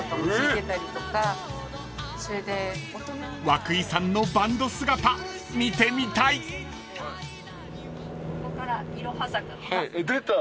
［和久井さんのバンド姿見てみたい］出た。